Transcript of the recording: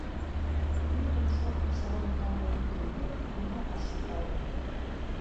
Вӱдым, шопым, сырам, тамле вӱдым йӱӧ — нимом ыш шӱкал.